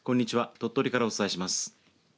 鳥取からお伝えします。